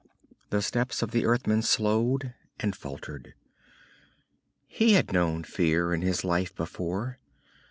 _ The steps of the Earthman slowed and faltered. He had known fear in his life before.